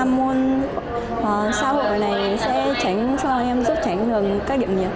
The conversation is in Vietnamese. ba môn xã hội này sẽ tránh cho em giúp tránh gần các điểm nghiệp